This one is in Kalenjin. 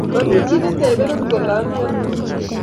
Mami chii netebenen kole am noo